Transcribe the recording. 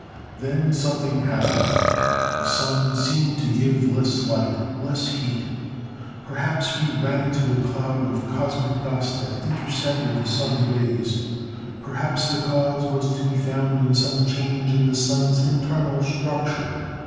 "Then something happened. The Sun seemed to give less light, less heat. Perhaps we ran into a cloud of cosmic dust that intercepted the Sun's rays. Perhaps the cause was to be found in some change in the Sun's internal structure.